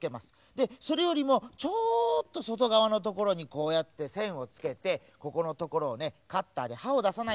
でそれよりもちょっとそとがわのところにこうやってせんをつけてここのところをねカッターではをださないでね。